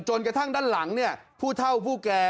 กระทั่งด้านหลังผู้เท่าผู้แก่